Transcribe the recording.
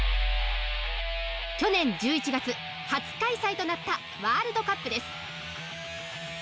去年１１月、初開催となったワールドカップです。